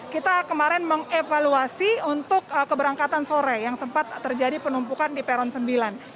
kita kemarin mengevaluasi untuk keberangkatan sore yang sempat terjadi penumpukan di peron sembilan